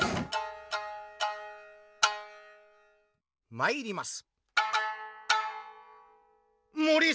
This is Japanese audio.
まいります。